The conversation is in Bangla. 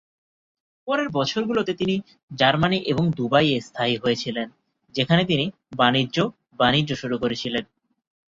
পরের বছরগুলোতে তিনি জার্মানি এবং দুবাইয়ে স্থায়ী হয়েছিলেন, যেখানে তিনি বাণিজ্য বাণিজ্য শুরু করেছিলেন।